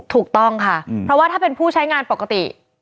ถูกต้องค่ะเพราะว่าถ้าเป็นผู้ใช้งานปกติ